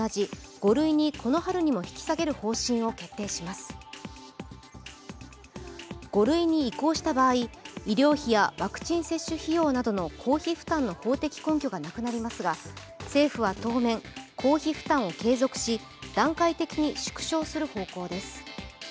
５類に移行した場合、医療費やワクチン接種費用などの公費負担の法的根拠がなくなりますが、政府は当面、公費負担を継続し段階的に縮小する方向です。